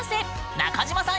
中島さん